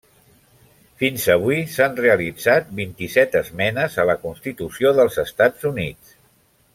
Fins avui, s'han realitzat vint-i-set esmenes a la Constitució dels Estats Units.